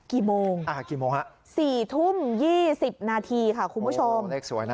กี่โมงครับสี่ทุ่มยี่สิบนาทีค่ะคุณผู้ชมอ๋อเล็กสวยนะ